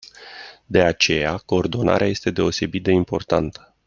De aceea coordonarea este deosebit de importantă.